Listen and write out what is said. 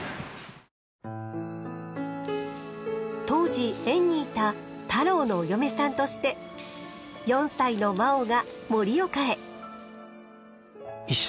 当時園にいたたろうのお嫁さんとして４歳のマオが盛岡へ。